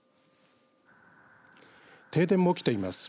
停電も起きています。